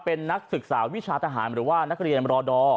เป็นนักศึกษาวิชาทหารหรือว่านักเรียนรอดอร์